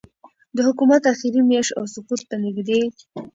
د حکومت آخري میاشت او سقوط ته نږدې